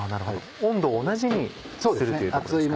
温度を同じにするということですかね。